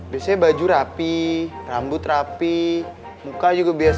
bisa gara gara ngeliatin gua mulu makanya kalau bawa motor tuh